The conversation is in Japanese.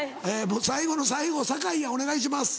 もう最後の最後酒井やお願いします。